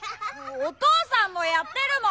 おとうさんもやってるもん。